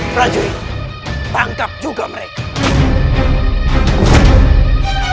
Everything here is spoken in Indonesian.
prajurit bangkap juga mereka